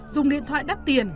dùng điện thoại đắt tiền